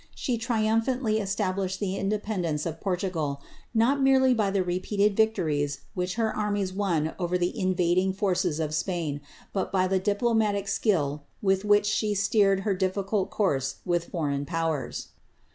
She triumphantly established the indepen dence of Portugal, not merely by the repeated victories which her annies won over the invading forces of Spain, but by the diplomatic skill with which she steered her difilcult course with foreign powers.